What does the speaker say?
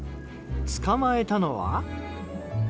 捕まえたのは。